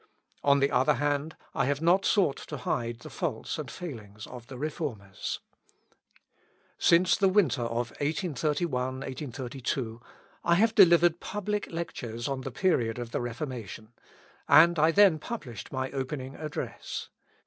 On the other hand, I have not sought to hide the faults and failings of the Reformers. Since the winter of 1831 32, I have delivered public lectures on the period of the Reformation, and I then published my opening Address.